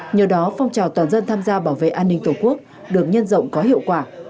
nhờ đó phong trào toàn dân tham gia bảo vệ an ninh tổ quốc được nhân rộng có hiệu quả